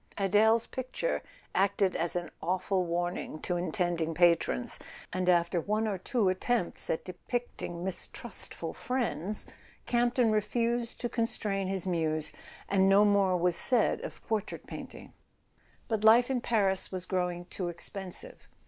Adele's picture acted as an awful warning to intend [ 46 ] A SON AT THE FRONT ing patrons, and after one or two attempts at depict¬ ing mistrustful friends Campton refused to constrain his muse, and no more was said of portrait painting. But life in Paris was growing too expensive.